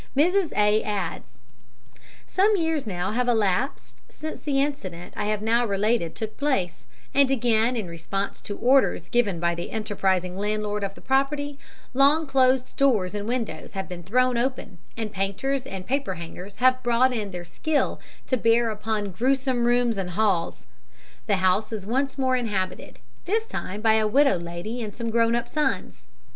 Mrs. A. adds: "Some years have now elapsed since the incident I have now related took place, and again, in response to orders given by the enterprising landlord of the property, long closed doors and windows have been thrown open, and painters and paperhangers have brought their skill to bear upon gruesome rooms and halls; the house is once more inhabited, this time by a widow lady and some grown up sons.